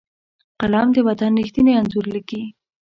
قلم د وطن ریښتیني انځور لیکي